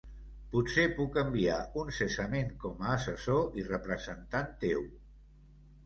Potser puc enviar un cessament com a assessor i representant teu.